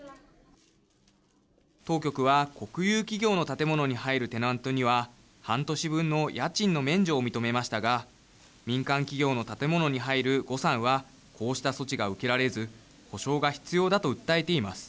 当局は国有企業の建物に入るテナントには半年分の家賃の免除を認めましたが民間企業の建物に入る呉さんはこうした措置が受けられず補償が必要だと訴えています。